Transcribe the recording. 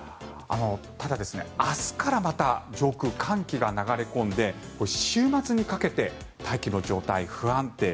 ただ、明日からまた上空に寒気が流れ込んで週末にかけて大気の状態、不安定。